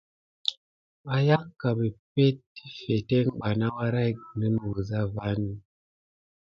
Wayaŋ kà mepente di fitetke bana wuyara kirani wuza va.